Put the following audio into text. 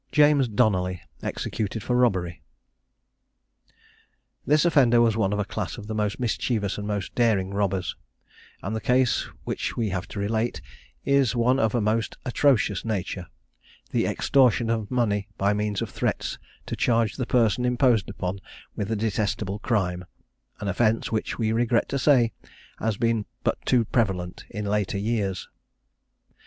JAMES DONALLY. EXECUTED FOR ROBBERY. This offender was one of a class of the most mischievous and most daring robbers; and the case which we have to relate, is one of a most atrocious nature, the extortion of money by means of threats to charge the person imposed upon with a detestable crime, an offence which, we regret to say, has been but too prevalent in later years.